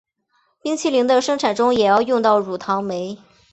冰淇淋的生产中也要用到乳糖酶。